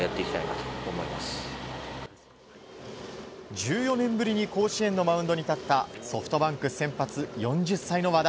１４年ぶりに甲子園のマウンドに立ったソフトバンク先発、４０歳の和田。